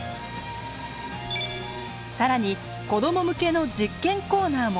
更に子ども向けの実験コーナーも。